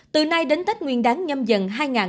từ nay đến tết nguyên đáng nhâm dần hai nghìn hai mươi bốn